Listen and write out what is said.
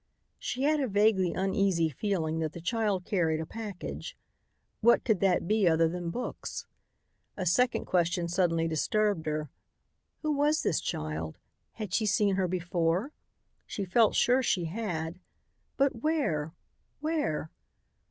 She had a vaguely uneasy feeling that the child carried a package. What could that be other than books? A second question suddenly disturbed her: Who was this child? Had she seen her before? She felt sure she had. But where? Where?